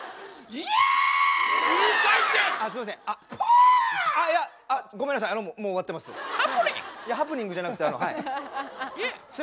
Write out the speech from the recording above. いやハプニングじゃなくてあのはい。